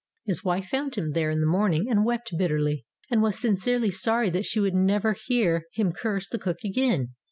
His wife found him there in the morning and wept bitterly, and was sincerely sorry that she would never hear him curse the cook again.